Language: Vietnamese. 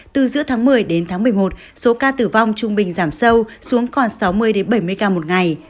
từ giữa tháng một mươi đến tháng một mươi một số ca tử vong trung bình giảm sâu xuống còn sáu mươi bảy mươi ca một ngày